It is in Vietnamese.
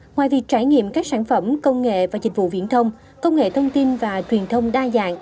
ngoài việc trải nghiệm các sản phẩm công nghệ và dịch vụ viễn thông công nghệ thông tin và truyền thông đa dạng